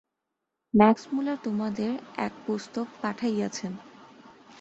Max Müller তোমাদের এক পুস্তক পাঠাইয়াছেন।